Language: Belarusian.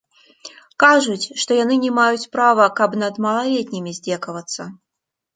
Кажуць, што яны не маюць права, каб над малалетнімі здзекавацца.